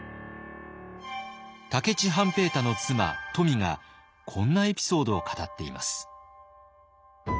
武市半平太の妻冨がこんなエピソードを語っています。